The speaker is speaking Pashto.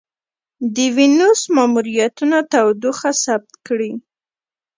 د وینوس ماموریتونه تودوخه ثبت کړې.